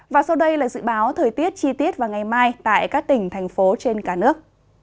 và sau đây là dự báo thời tiết chi tiết vào ngày mai tại các tỉnh thành phố trên cả nước